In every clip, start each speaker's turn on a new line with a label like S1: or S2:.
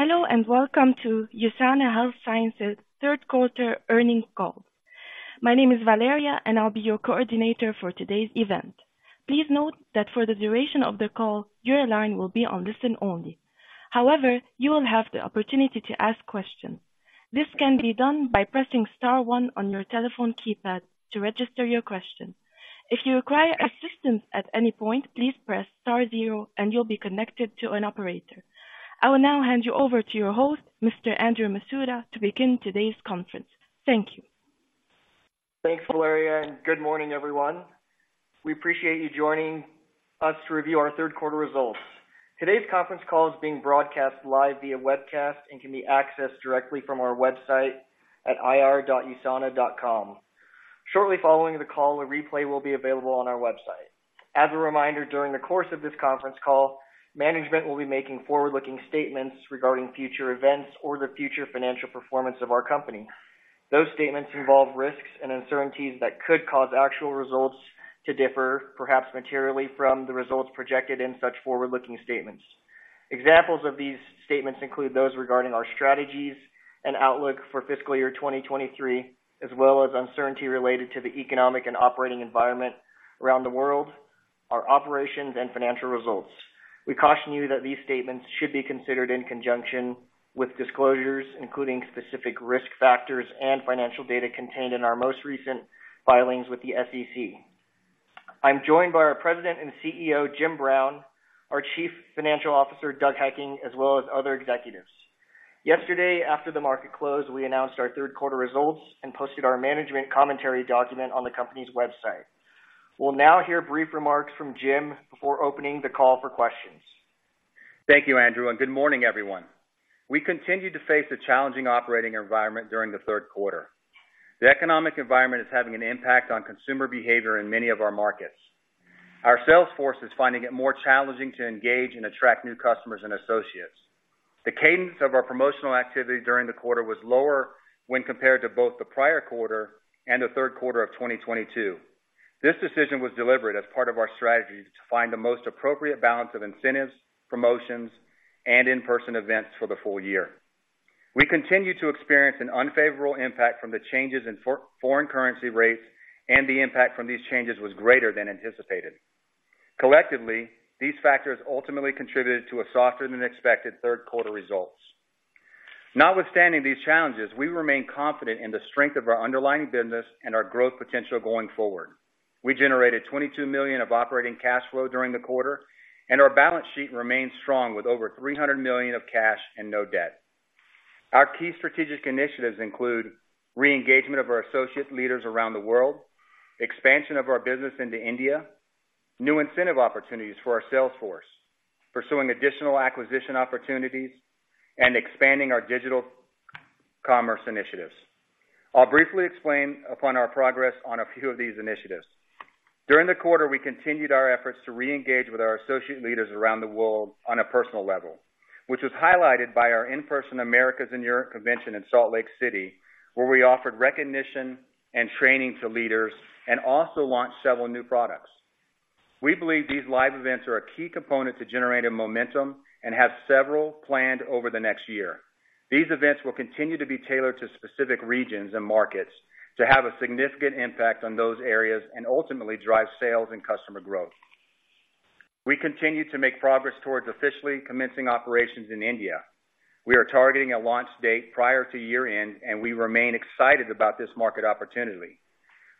S1: Hello, and welcome to USANA Health Sciences' third quarter Earnings Call. My name is Valeria, and I'll be your coordinator for today's event. Please note that for the duration of the call, your line will be on listen-only. However, you will have the opportunity to ask questions. This can be done by pressing star one on your telephone keypad to register your question. If you require assistance at any point, please press star zero, and you'll be connected to an operator. I will now hand you over to your host, Mr. Andrew Masuda, to begin today's conference. Thank you.
S2: Thanks, Valeria, and good morning, everyone. We appreciate you joining us to review our third quarter results. Today's conference call is being broadcast live via webcast and can be accessed directly from our website at ir.usana.com. Shortly following the call, a replay will be available on our website. As a reminder, during the course of this conference call, management will be making forward-looking statements regarding future events or the future financial performance of our company. Those statements involve risks and uncertainties that could cause actual results to differ, perhaps materially, from the results projected in such forward-looking statements. Examples of these statements include those regarding our strategies and outlook for fiscal year 2023, as well as uncertainty related to the economic and operating environment around the world, our operations and financial results. We caution you that these statements should be considered in conjunction with disclosures, including specific risk factors and financial data contained in our most recent filings with the SEC. I'm joined by our President and CEO, Jim Brown, our Chief Financial Officer, Doug Hekking, as well as other executives. Yesterday, after the market closed, we announced our third quarter results and posted our management commentary document on the company's website. We'll now hear brief remarks from Jim before opening the call for questions.
S3: Thank you, Andrew, and good morning, everyone. We continued to face a challenging operating environment during the third quarter. The economic environment is having an impact on consumer behavior in many of our markets. Our sales force is finding it more challenging to engage and attract new customers and associates. The cadence of our promotional activity during the quarter was lower when compared to both the prior quarter and the third quarter of 2022. This decision was deliberate as part of our strategy to find the most appropriate balance of incentives, promotions, and in-person events for the full year. We continue to experience an unfavorable impact from the changes in foreign currency rates, and the impact from these changes was greater than anticipated. Collectively, these factors ultimately contributed to a softer than expected third quarter results. Notwithstanding these challenges, we remain confident in the strength of our underlying business and our growth potential going forward. We generated $22 million of operating cash flow during the quarter, and our balance sheet remains strong, with over $300 million of cash and no debt. Our key strategic initiatives include re-engagement of our associate leaders around the world, expansion of our business into India, new incentive opportunities for our sales force, pursuing additional acquisition opportunities, and expanding our digital commerce initiatives. I'll briefly explain upon our progress on a few of these initiatives. During the quarter, we continued our efforts to reengage with our associate leaders around the world on a personal level, which was highlighted by our in-person Americas and Europe Convention in Salt Lake City, where we offered recognition and training to leaders and also launched several new products. We believe these live events are a key component to generating momentum and have several planned over the next year. These events will continue to be tailored to specific regions and markets to have a significant impact on those areas and ultimately drive sales and customer growth. We continue to make progress towards officially commencing operations in India. We are targeting a launch date prior to year-end, and we remain excited about this market opportunity.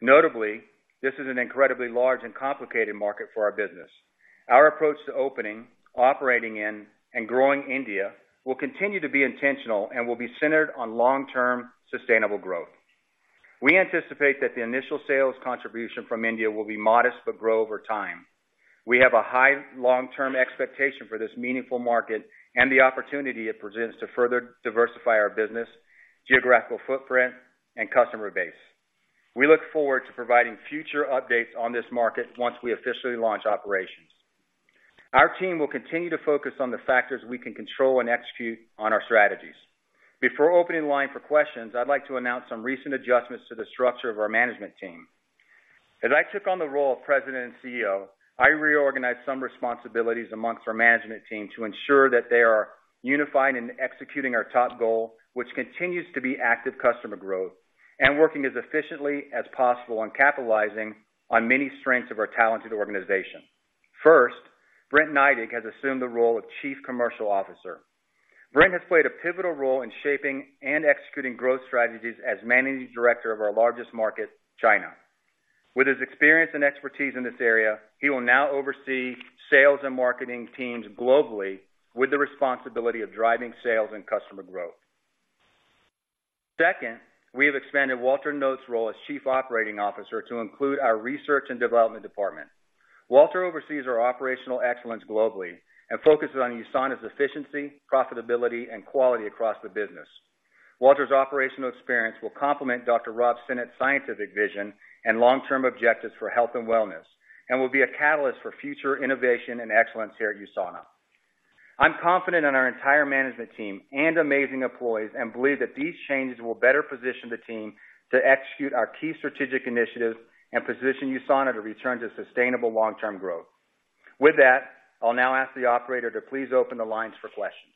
S3: Notably, this is an incredibly large and complicated market for our business. Our approach to opening, operating in, and growing India will continue to be intentional and will be centered on long-term, sustainable growth. We anticipate that the initial sales contribution from India will be modest but grow over time. We have a high long-term expectation for this meaningful market and the opportunity it presents to further diversify our business, geographical footprint, and customer base. We look forward to providing future updates on this market once we officially launch operations. Our team will continue to focus on the factors we can control and execute on our strategies. Before opening the line for questions, I'd like to announce some recent adjustments to the structure of our management team. As I took on the role of President and CEO, I reorganized some responsibilities among our management team to ensure that they are unified in executing our top goal, which continues to be active customer growth, and working as efficiently as possible on capitalizing on many strengths of our talented organization. First, Brent Neidig has assumed the role of Chief Commercial Officer. Brent has played a pivotal role in shaping and executing growth strategies as Managing Director of our largest market, China. With his experience and expertise in this area, he will now oversee sales and marketing teams globally, with the responsibility of driving sales and customer growth. Second, we have expanded Walter Noot's role as Chief Operating Officer to include our research and development department. Walter oversees our operational excellence globally and focuses on USANA's efficiency, profitability, and quality across the business. Walter's operational experience will complement Dr. Rob Sinnott's scientific vision and long-term objectives for health and wellness and will be a catalyst for future innovation and excellence here at USANA. I'm confident in our entire management team and amazing employees, and believe that these changes will better position the team to execute our key strategic initiatives and position USANA to return to sustainable long-term growth. With that, I'll now ask the operator to please open the lines for questions.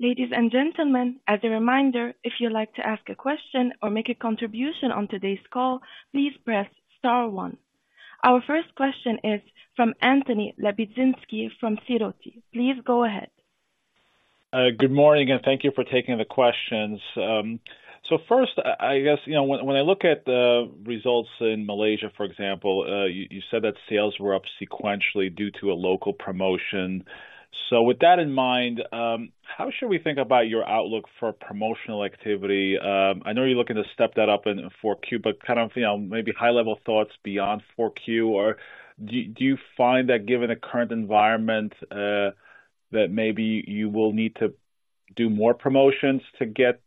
S1: Ladies and gentlemen, as a reminder, if you'd like to ask a question or make a contribution on today's call, please press star one. Our first question is from Anthony Lebiedzinski from Sidoti. Please go ahead.
S4: Good morning, and thank you for taking the questions. First, I guess, you know, when I look at the results in Malaysia, for example, you said that sales were up sequentially due to a local promotion. With that in mind, how should we think about your outlook for promotional activity? I know you're looking to step that up in Q4, but kind of, you know, maybe high-level thoughts beyond Q4. Or do you find that given the current environment, that maybe you will need to do more promotions to get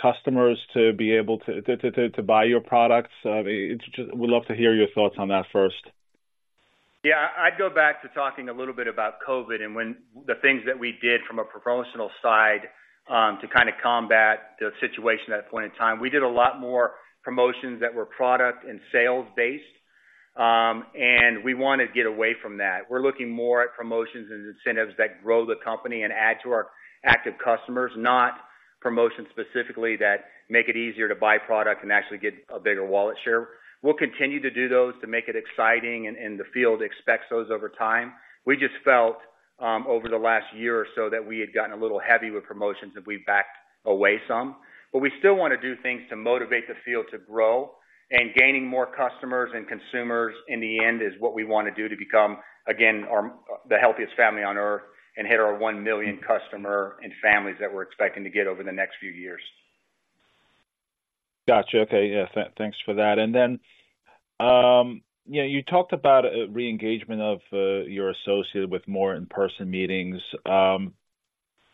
S4: customers to be able to buy your products? It's just... We'd love to hear your thoughts on that first.
S3: Yeah, I'd go back to talking a little bit about COVID and the things that we did from a promotional side, to kind of combat the situation at that point in time. We did a lot more promotions that were product and sales-based, and we wanna get away from that. We're looking more at promotions and incentives that grow the company and add to our active customers, not promotions specifically that make it easier to buy product and actually get a bigger wallet share. We'll continue to do those to make it exciting, and the field expects those over time. We just felt, over the last year or so, that we had gotten a little heavy with promotions, and we backed away some. But we still wanna do things to motivate the field to grow, and gaining more customers and consumers, in the end, is what we wanna do to become, again, our... the healthiest family on Earth and hit our 1 million customers and families that we're expecting to get over the next few years.
S4: Gotcha. Okay, yeah, thanks for that. And then, yeah, you talked about reengagement of your associate with more in-person meetings.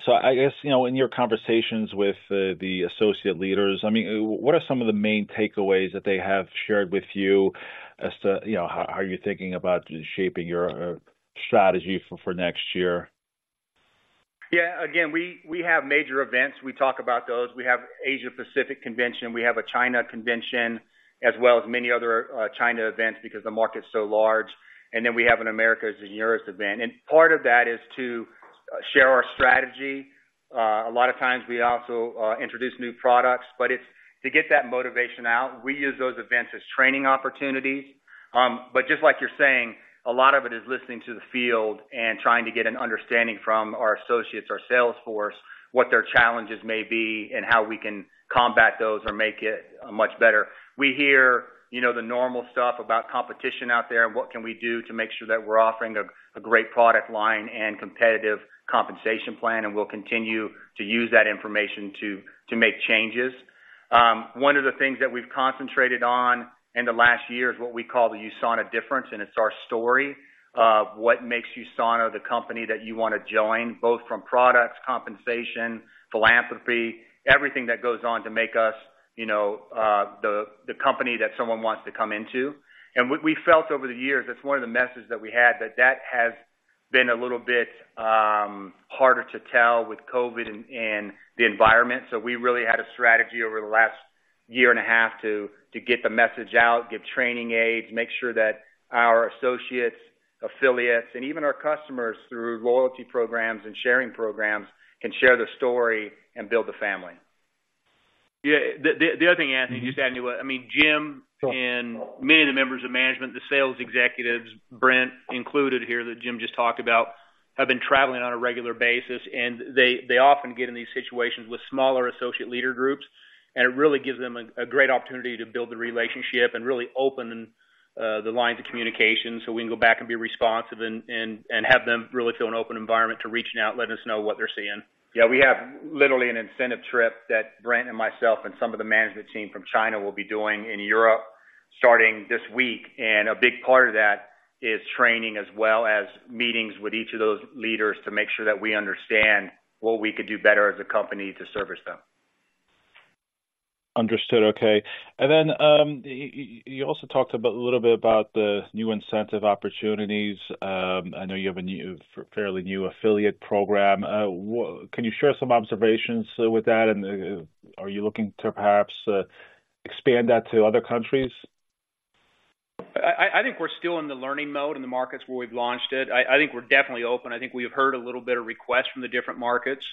S4: So I guess, you know, in your conversations with the associate leaders, I mean, what are some of the main takeaways that they have shared with you as to, you know, how you're thinking about shaping your strategy for next year?
S3: Yeah, again, we have major events. We talk about those. We have Asia Pacific Convention, we have a China Convention, as well as many other China events because the market's so large, and then we have an Americas and Europe event. And part of that is to share our strategy. A lot of times we also introduce new products, but it's to get that motivation out. We use those events as training opportunities. But just like you're saying, a lot of it is listening to the field and trying to get an understanding from our associates, our sales force, what their challenges may be and how we can combat those or make it much better. We hear, you know, the normal stuff about competition out there and what can we do to make sure that we're offering a great product line and competitive compensation plan, and we'll continue to use that information to make changes. One of the things that we've concentrated on in the last year is what we call the USANA Difference, and it's our story of what makes USANA the company that you wanna join, both from products, compensation, philanthropy, everything that goes on to make us, you know, the company that someone wants to come into. And what we felt over the years, that's one of the messages that we had, that that has been a little bit harder to tell with COVID and the environment. So we really had a strategy over the last year and a half to get the message out, give training aids, make sure that our associates, affiliates, and even our customers, through loyalty programs and sharing programs, can share the story and build the family.
S5: Yeah, the other thing, Anthony, just adding to what... I mean, Jim and many of the members of management, the sales executives, Brent included here, that Jim just talked about, have been traveling on a regular basis, and they often get in these situations with smaller associate leader groups, and it really gives them a great opportunity to build the relationship and really open the lines of communication so we can go back and be responsive and have them really feel an open environment to reaching out, letting us know what they're seeing.
S3: Yeah, we have literally an incentive trip that Brent and myself and some of the management team from China will be doing in Europe, starting this week. A big part of that is training, as well as meetings with each of those leaders to make sure that we understand what we could do better as a company to service them.
S4: Understood. Okay. And then, you also talked about, a little bit about the new incentive opportunities. I know you have a new, fairly new affiliate program. Can you share some observations with that, and, are you looking to perhaps, expand that to other countries?
S3: I think we're still in the learning mode in the markets where we've launched it. I think we're definitely open. I think we have heard a little bit of request from the different markets,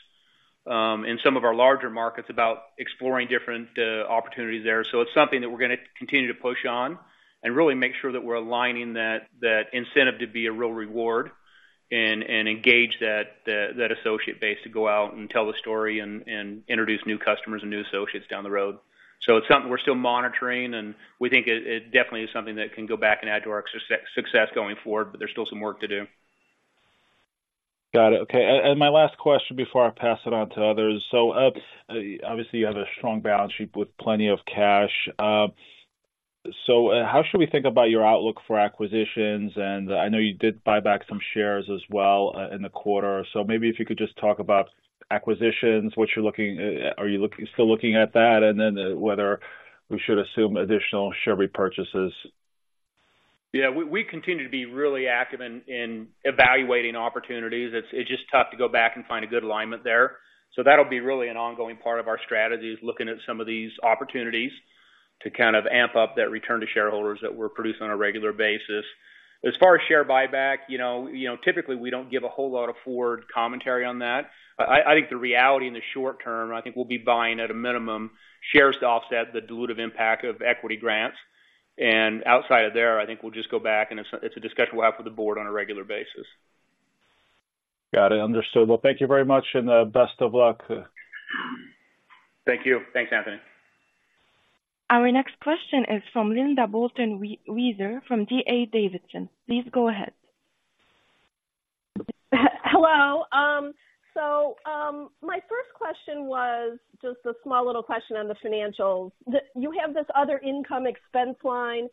S3: and some of our larger markets about exploring different opportunities there. So it's something that we're gonna continue to push on and really make sure that we're aligning that incentive to be a real reward and engage that associate base to go out and tell the story and introduce new customers and new associates down the road. So it's something we're still monitoring, and we think it definitely is something that can go back and add to our success going forward, but there's still some work to do.
S4: Got it. Okay, and my last question before I pass it on to others: So, obviously, you have a strong balance sheet with plenty of cash. So, how should we think about your outlook for acquisitions? And I know you did buy back some shares as well, in the quarter. So maybe if you could just talk about acquisitions, what you're looking... Are you looking, still looking at that? And then, whether we should assume additional share repurchases.
S3: Yeah, we continue to be really active in evaluating opportunities. It's just tough to go back and find a good alignment there. So that'll be really an ongoing part of our strategy, is looking at some of these opportunities... to kind of amp up that return to shareholders that we're producing on a regular basis. As far as share buyback, you know, typically, we don't give a whole lot of forward commentary on that. I think the reality in the short term, I think we'll be buying, at a minimum, shares to offset the dilutive impact of equity grants. And outside of there, I think we'll just go back, and it's a discussion we'll have with the board on a regular basis.
S4: Got it, understood. Well, thank you very much, and best of luck.
S5: Thank you.
S3: Thanks, Anthony.
S1: Our next question is from Linda Bolton Weiser, from D.A. Davidson. Please go ahead.
S6: Hello. So, my first question was just a small little question on the financials. You have this other income expense line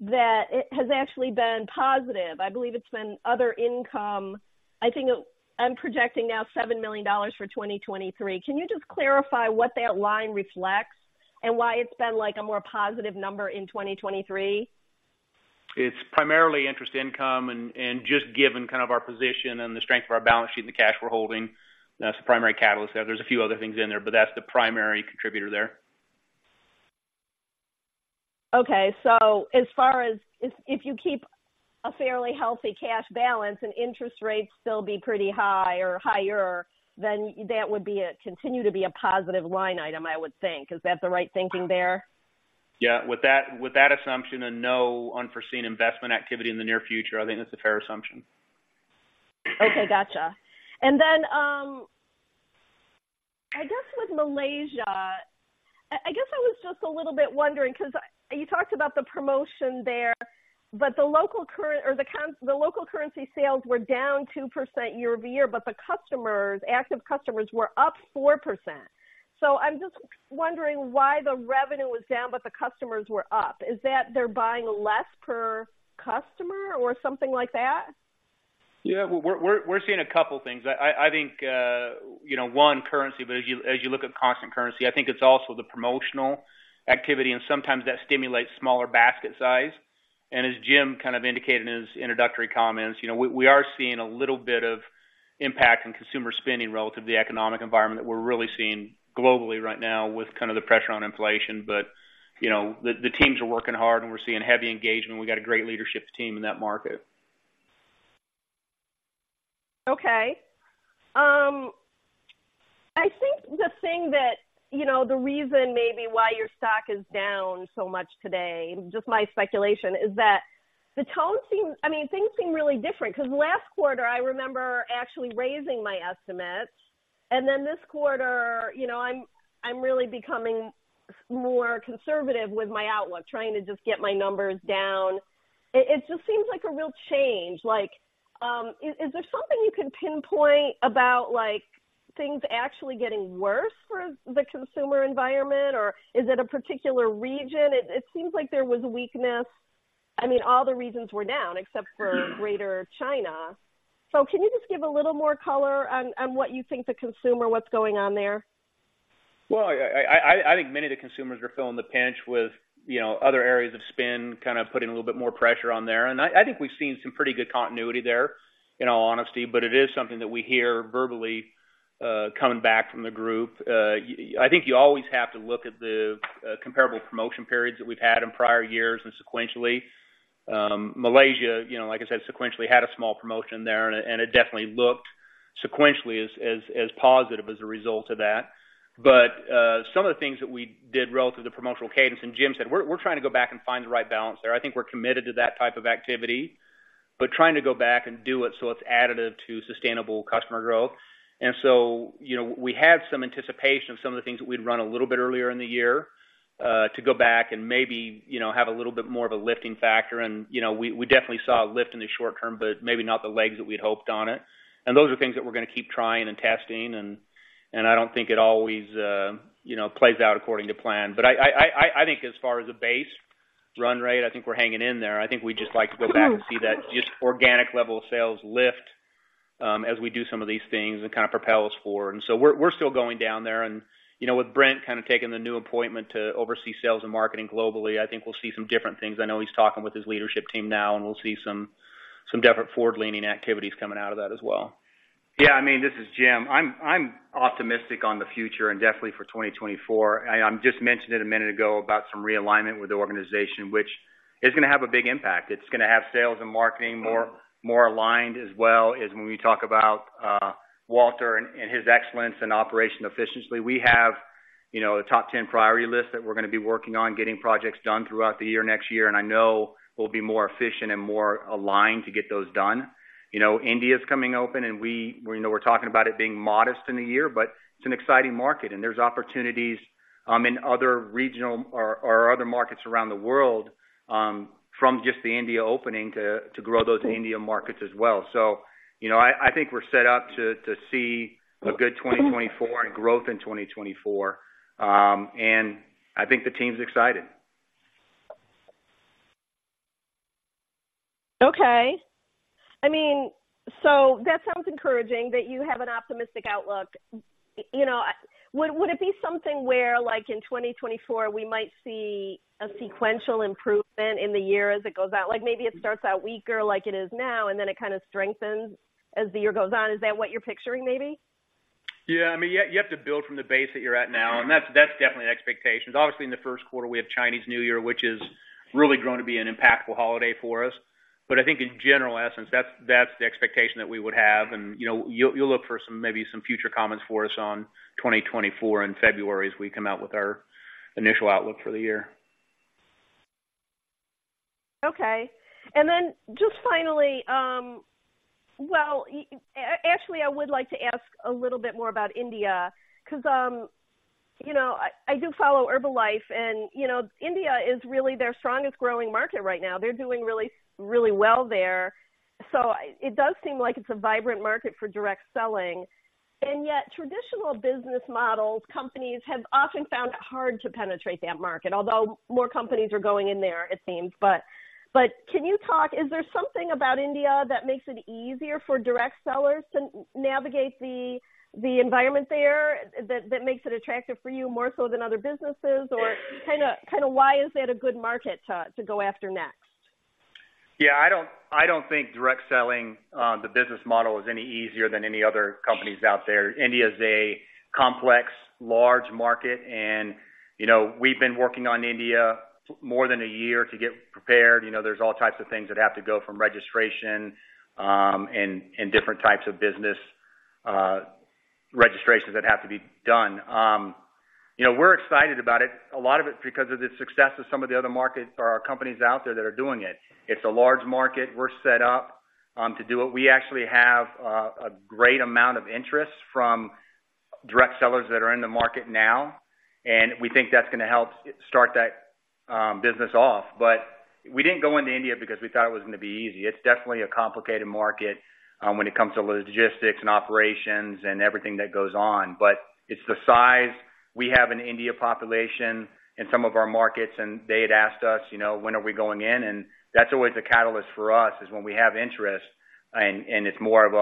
S6: that it has actually been positive. I believe it's been other income. I think I'm projecting now $7 million for 2023. Can you just clarify what that line reflects and why it's been like a more positive number in 2023?
S5: It's primarily interest income and just given kind of our position and the strength of our balance sheet and the cash we're holding, that's the primary catalyst there. There's a few other things in there, but that's the primary contributor there.
S6: Okay, so as far as if you keep a fairly healthy cash balance and interest rates still be pretty high or higher, then that would continue to be a positive line item, I would think. Is that the right thinking there?
S5: Yeah, with that, with that assumption and no unforeseen investment activity in the near future, I think that's a fair assumption.
S6: Okay, gotcha. And then, I guess with Malaysia, I guess I was just a little bit wondering, 'cause you talked about the promotion there, but the local currency sales were down 2% year-over-year, but the customers, active customers were up 4%. So I'm just wondering why the revenue was down, but the customers were up. Is that they're buying less per customer or something like that?
S5: Yeah, we're seeing a couple things. I think, you know, one, currency, but as you look at constant currency, I think it's also the promotional activity, and sometimes that stimulates smaller basket size. And as Jim kind of indicated in his introductory comments, you know, we are seeing a little bit of impact in consumer spending relative to the economic environment that we're really seeing globally right now with kind of the pressure on inflation. But, you know, the teams are working hard, and we're seeing heavy engagement. We got a great leadership team in that market.
S6: Okay. I think the thing that, you know, the reason maybe why your stock is down so much today, just my speculation, is that the tone seems... I mean, things seem really different, 'cause last quarter, I remember actually raising my estimates, and then this quarter, you know, I'm really becoming more conservative with my outlook, trying to just get my numbers down. It just seems like a real change. Like, is there something you can pinpoint about, like, things actually getting worse for the consumer environment, or is it a particular region? It seems like there was weakness. I mean, all the regions were down except for greater China. So can you just give a little more color on what you think the consumer, what's going on there?
S5: Well, I think many of the consumers are feeling the pinch with, you know, other areas of spend, kind of putting a little bit more pressure on there. And I think we've seen some pretty good continuity there, in all honesty, but it is something that we hear verbally coming back from the group. I think you always have to look at the comparable promotion periods that we've had in prior years and sequentially. Malaysia, you know, like I said, sequentially had a small promotion there, and it definitely looked sequentially as positive as a result of that. But some of the things that we did relative to promotional cadence, and Jim said, we're trying to go back and find the right balance there. I think we're committed to that type of activity, but trying to go back and do it so it's additive to sustainable customer growth. And so, you know, we had some anticipation of some of the things that we'd run a little bit earlier in the year to go back and maybe, you know, have a little bit more of a lifting factor. And, you know, we definitely saw a lift in the short term, but maybe not the legs that we'd hoped on it. And those are things that we're gonna keep trying and testing, and I don't think it always, you know, plays out according to plan. But I think as far as a base run rate, I think we're hanging in there. I think we'd just like to go back and see that just organic level of sales lift, as we do some of these things and kind of propel us forward. And so we're still going down there. And, you know, with Brent kind of taking the new appointment to oversee sales and marketing globally, I think we'll see some different things. I know he's talking with his leadership team now, and we'll see some different forward-leaning activities coming out of that as well.
S3: Yeah, I mean, this is Jim. I'm optimistic on the future and definitely for 2024. I just mentioned it a minute ago about some realignment with the organization, which is gonna have a big impact. It's gonna have sales and marketing more aligned as well as when we talk about Walter and his excellence in operation efficiency. We have, you know, a top 10 priority list that we're gonna be working on getting projects done throughout the year, next year, and I know we'll be more efficient and more aligned to get those done. You know, India is coming open, and we know we're talking about it being modest in a year, but it's an exciting market, and there's opportunities in other regional or other markets around the world from just the India opening to grow those India markets as well. So, you know, I think we're set up to see a good 2024 and growth in 2024. And I think the team's excited.
S6: Okay. I mean, so that sounds encouraging that you have an optimistic outlook. You know, would it be something where, like in 2024, we might see a sequential improvement in the year as it goes out? Like, maybe it starts out weaker like it is now, and then it kind of strengthens as the year goes on. Is that what you're picturing, maybe?
S3: Yeah, I mean, you, you have to build from the base that you're at now, and that's, that's definitely an expectation. Obviously, in the first quarter, we have Chinese New Year, which is really going to be an impactful holiday for us. But I think in general essence, that's, that's the expectation that we would have. And, you know, you'll, you'll look for some, maybe some future comments for us on 2024 in February as we come out with our initial outlook for the year.
S6: Okay. And then just finally, well, actually, I would like to ask a little bit more about India, because, you know, I do follow Herbalife, and, you know, India is really their strongest growing market right now. They're doing really, really well there. So it does seem like it's a vibrant market for direct selling. And yet traditional business models, companies have often found it hard to penetrate that market, although more companies are going in there, it seems. But can you talk... Is there something about India that makes it easier for direct sellers to navigate the environment there, that makes it attractive for you, more so than other businesses? Or kind of why is that a good market to go after next?
S3: Yeah, I don't think direct selling, the business model is any easier than any other companies out there. India is a complex, large market, and, you know, we've been working on India more than a year to get prepared. You know, there's all types of things that have to go from registration, and different types of business, registrations that have to be done. You know, we're excited about it. A lot of it, because of the success of some of the other markets or companies out there that are doing it. It's a large market. We're set up, to do it. We actually have, a great amount of interest from direct sellers that are in the market now, and we think that's going to help start that, business off. But we didn't go into India because we thought it was going to be easy. It's definitely a complicated market, when it comes to logistics and operations and everything that goes on. But it's the size. We have an India population in some of our markets, and they had asked us, you know, when are we going in? And that's always a catalyst for us, is when we have interest and it's more of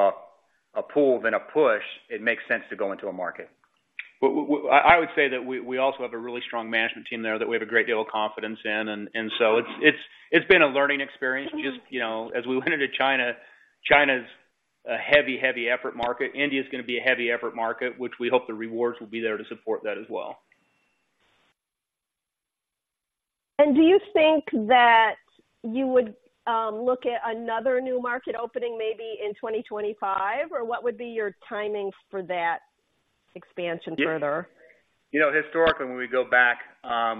S3: a pull than a push, it makes sense to go into a market.
S5: I would say that we also have a really strong management team there that we have a great deal of confidence in. And so it's been a learning experience, just, you know, as we went into China, China's a heavy, heavy effort market. India is going to be a heavy effort market, which we hope the rewards will be there to support that as well.
S6: Do you think that you would look at another new market opening, maybe in 2025, or what would be your timing for that expansion further?
S3: You know, historically, when we go back,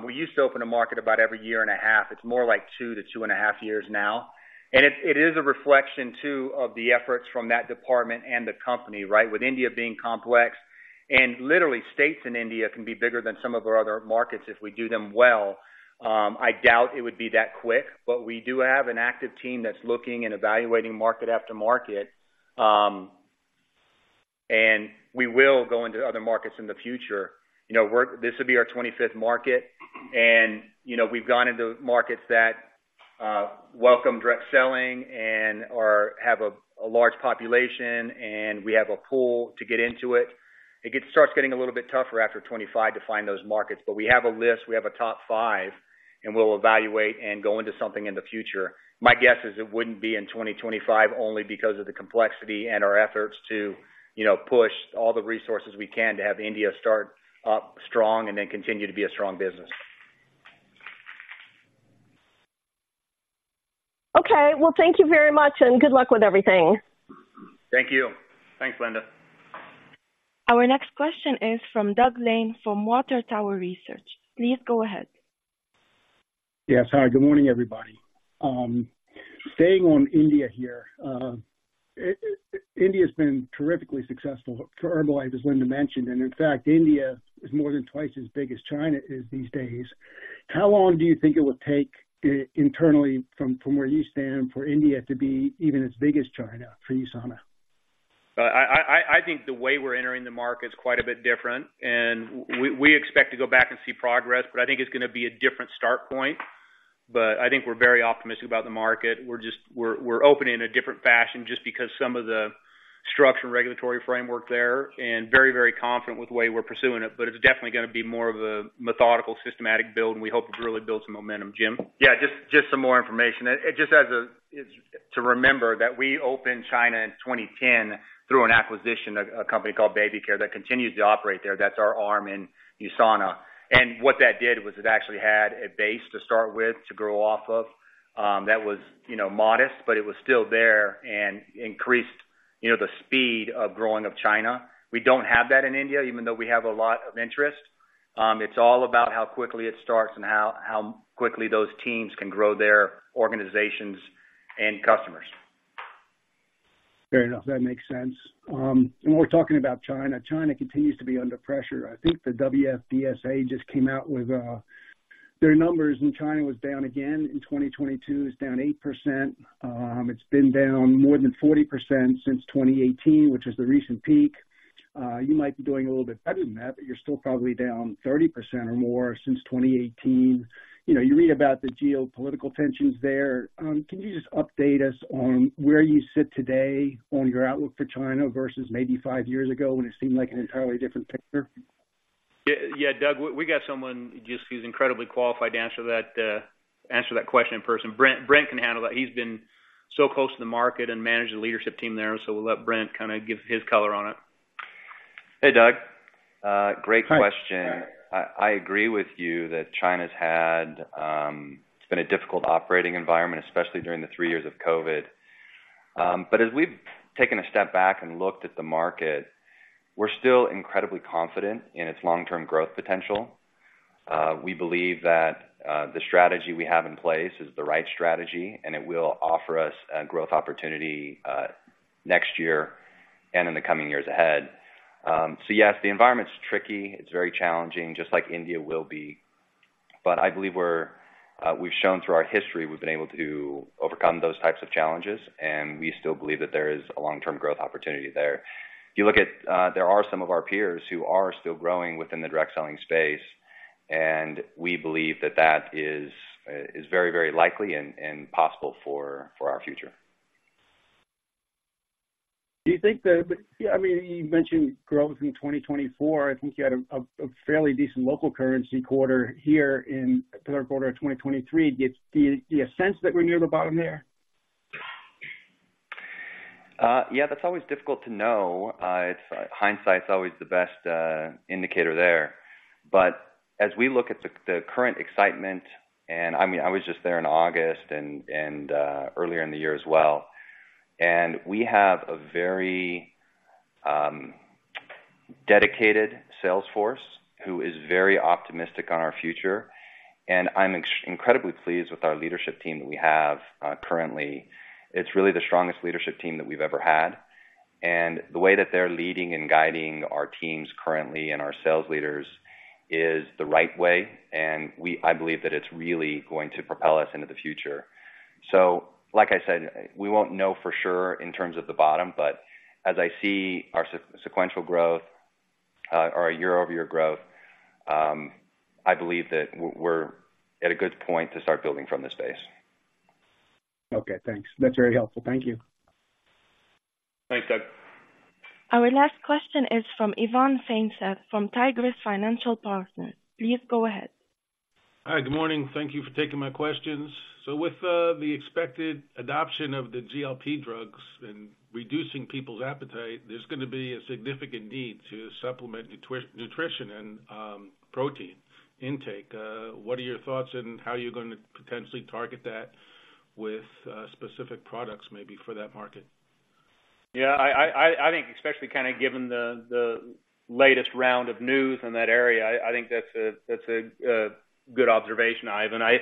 S3: we used to open a market about every year and a half. It's more like two to two and a half years now, and it is a reflection, too, of the efforts from that department and the company, right? With India being complex and literally, states in India can be bigger than some of our other markets if we do them well. I doubt it would be that quick, but we do have an active team that's looking and evaluating market after market. We will go into other markets in the future. You know, we're this will be our 25th market, and, you know, we've gone into markets that welcome direct selling and, or have a large population, and we have a pull to get into it. It starts getting a little bit tougher after 25 to find those markets, but we have a list, we have a top five, and we'll evaluate and go into something in the future. My guess is it wouldn't be in 2025, only because of the complexity and our efforts to, you know, push all the resources we can to have India start up strong and then continue to be a strong business.
S6: Okay, well, thank you very much, and good luck with everything.
S3: Thank you.
S5: Thanks, Linda.
S1: Our next question is from Doug Lane, from Water Tower Research. Please go ahead.
S7: Yes. Hi, good morning, everybody. Staying on India here. India's been terrifically successful for Herbalife, as Linda mentioned, and in fact, India is more than twice as big as China is these days. How long do you think it will take internally, from where you stand, for India to be even as big as China for USANA?
S5: I think the way we're entering the market is quite a bit different, and we expect to go back and see progress, but I think it's going to be a different start point. But I think we're very optimistic about the market. We're just opening in a different fashion just because some of the structure and regulatory framework there, and very, very confident with the way we're pursuing it. But it's definitely going to be more of a methodical, systematic build, and we hope it really builds some momentum. Jim?
S3: Yeah, just, just some more information. It just as a-- to remember that we opened China in 2010 through an acquisition, a company called BabyCare, that continues to operate there. That's our arm in USANA. And what that did was it actually had a base to start with, to grow off of, that was, you know, modest, but it was still there and increased, you know, the speed of growing of China. We don't have that in India, even though we have a lot of interest. It's all about how quickly it starts and how, how quickly those teams can grow their organizations and customers.
S7: Fair enough. That makes sense. And we're talking about China. China continues to be under pressure. I think the WFDSA just came out with their numbers, and China was down again in 2022. It's down 8%. It's been down more than 40% since 2018, which is the recent peak. You might be doing a little bit better than that, but you're still probably down 30% or more since 2018. You know, you read about the geopolitical tensions there. Can you just update us on where you sit today on your outlook for China versus maybe five years ago, when it seemed like an entirely different picture?
S3: Yeah, yeah, Doug, we got someone just who's incredibly qualified to answer that question in person. Brent can handle that. He's been so close to the market and managed the leadership team there, so we'll let Brent kinda give his color on it.
S8: Hey, Doug. Great question.
S7: Hi.
S8: I agree with you that China's had. It's been a difficult operating environment, especially during the three years of COVID. But as we've taken a step back and looked at the market, we're still incredibly confident in its long-term growth potential. We believe that the strategy we have in place is the right strategy, and it will offer us a growth opportunity next year and in the coming years ahead. So yes, the environment's tricky. It's very challenging, just like India will be, but I believe we're, we've shown through our history, we've been able to overcome those types of challenges, and we still believe that there is a long-term growth potential there. If you look at, there are some of our peers who are still growing within the direct selling space, and we believe that that is very, very likely and possible for our future.
S7: Do you think that... But, yeah, I mean, you mentioned growth in 2024. I think you had a fairly decent local currency quarter here in the third quarter of 2023. Do you sense that we're near the bottom there?
S8: Yeah, that's always difficult to know. It's hindsight's always the best indicator there. But as we look at the current excitement and I mean, I was just there in August and earlier in the year as well, and we have a very dedicated sales force who is very optimistic on our future. And I'm incredibly pleased with our leadership team that we have currently. It's really the strongest leadership team that we've ever had, and the way that they're leading and guiding our teams currently and our sales leaders is the right way, and I believe that it's really going to propel us into the future. So like I said, we won't know for sure in terms of the bottom, but as I see our sequential growth, our year-over-year growth, I believe that we're at a good point to start building from this base.
S7: Okay, thanks. That's very helpful. Thank you.
S3: Thanks, Doug.
S1: Our last question is from Ivan Feinseth from Tigress Financial Partners. Please go ahead.
S9: Hi, good morning. Thank you for taking my questions. So with the expected adoption of the GLP drugs and reducing people's appetite, there's gonna be a significant need to supplement nutrition and protein intake. What are your thoughts and how are you gonna potentially target that with specific products maybe for that market?
S5: Yeah, I think especially kinda given the latest round of news in that area, I think that's a good observation, Ivan. I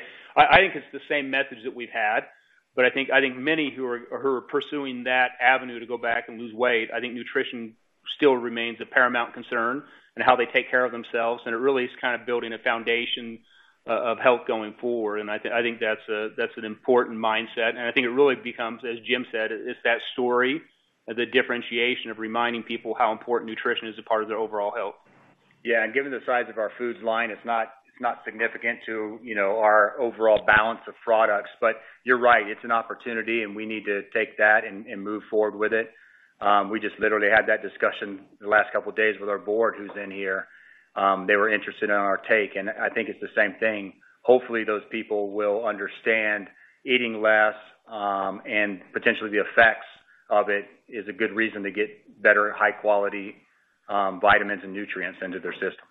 S5: think it's the same message that we've had, but I think many who are pursuing that avenue to go back and lose weight, I think nutrition still remains a paramount concern in how they take care of themselves, and it really is kind of building a foundation of health going forward. And I think that's an important mindset, and I think it really becomes, as Jim said, it's that story of the differentiation of reminding people how important nutrition is a part of their overall health.
S3: Yeah, and given the size of our foods line, it's not, it's not significant to, you know, our overall balance of products. But you're right, it's an opportunity, and we need to take that and, and move forward with it. We just literally had that discussion the last couple of days with our board, who's in here. They were interested in our take, and I think it's the same thing. Hopefully, those people will understand eating less, and potentially the effects of it is a good reason to get better, high quality vitamins and nutrients into their system.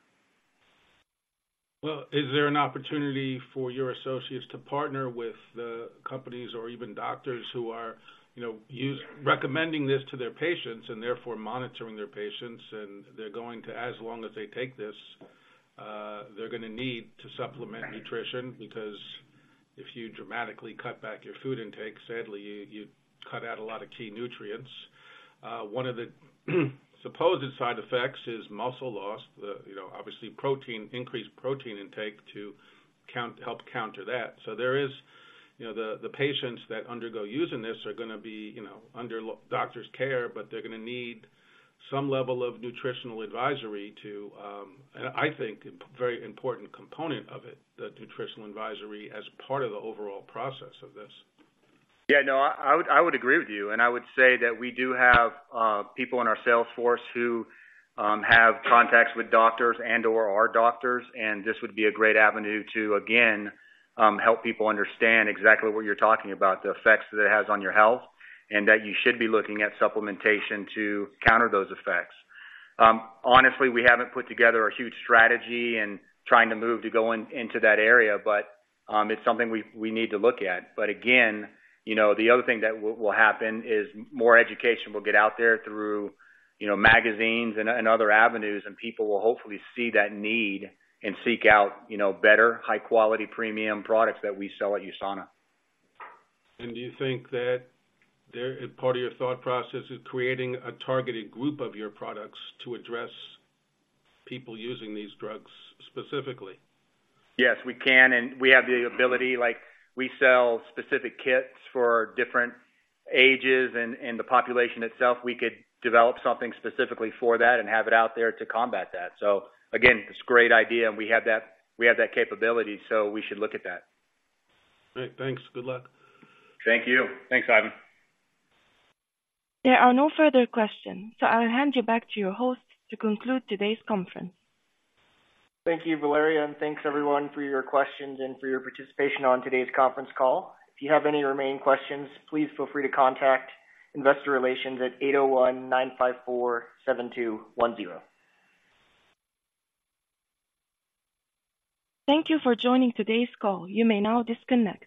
S9: Well, is there an opportunity for your associates to partner with the companies or even doctors who are, you know, recommending this to their patients and therefore monitoring their patients, and they're going to, as long as they take this, they're gonna need to supplement nutrition? Because if you dramatically cut back your food intake, sadly, you cut out a lot of key nutrients. One of the supposed side effects is muscle loss. You know, obviously, protein, increased protein intake to count, help counter that. So there is, you know, the patients that undergo using this are gonna be, you know, under doctor's care, but they're gonna need some level of nutritional advisory to... And I think a very important component of it, the nutritional advisory, as part of the overall process of this.
S3: Yeah, no, I would agree with you, and I would say that we do have people in our sales force who have contacts with doctors and/or are doctors, and this would be a great avenue to again help people understand exactly what you're talking about, the effects that it has on your health, and that you should be looking at supplementation to counter those effects. Honestly, we haven't put together a huge strategy and trying to move to go into that area, but it's something we need to look at. But again, you know, the other thing that will happen is more education will get out there through you know magazines and other avenues, and people will hopefully see that need and seek out you know better high quality premium products that we sell at USANA.
S9: Do you think that there, part of your thought process is creating a targeted group of your products to address people using these drugs specifically?
S3: Yes, we can, and we have the ability. Like, we sell specific kits for different ages and the population itself. We could develop something specifically for that and have it out there to combat that. So again, it's a great idea, and we have that, we have that capability, so we should look at that.
S9: Great. Thanks. Good luck.
S5: Thank you.
S3: Thanks, Ivan.
S1: There are no further questions, so I'll hand you back to your host to conclude today's conference.
S2: Thank you, Valeria, and thanks, everyone, for your questions and for your participation on today's conference call. If you have any remaining questions, please feel free to contact investor relations at 801-954-7210.
S1: Thank you for joining today's call. You may now disconnect.